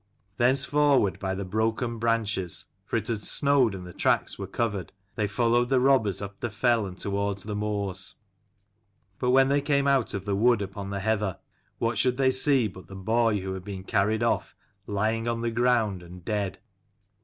Thence forward by the broken branches, for it had snowed and the tracks were covered, they followed the robbers up the fell and towards the moors. But when they came out of the wood upon the heather, what should they see but the boy who had been carried off, lying on the ground, and dead.